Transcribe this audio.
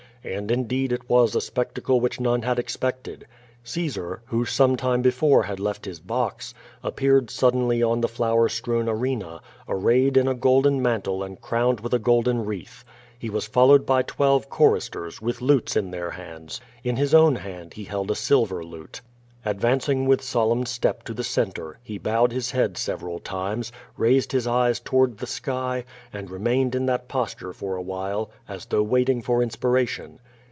And indeed it was a spectacle which none had expected. Caesar, who some time before had left his box, a|>i)eared suddenly on the flower strewn arena, arrayed in a golden mantle and crowned with a golden wreath. lie was followed ])y twelve choristers, with lutes in their hands. In his own hand he held a silver lute. Advancing with solemn step to the centre, he bowed his head several times, raised his eyes toward the sky, and reinained in that posture for a while, as though waiting for inspiration.